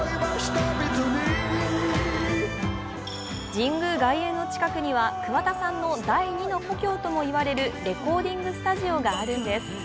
神宮外苑の近くには桑田さんの第２の故郷ともいわれるレコーディングスタジオがあるんです。